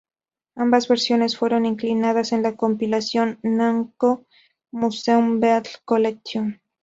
Ambas versiones fueron incluidas en la compilación "Namco Museum Battle Collection".